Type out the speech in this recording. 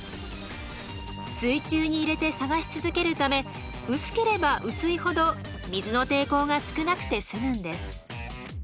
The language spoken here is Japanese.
水中に入れて探し続けるため薄ければ薄いほど水の抵抗が少なくて済むんです。